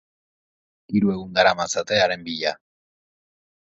Hiru egun daramatzate haren bila.